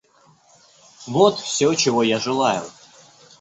Вот всё, чего я желаю.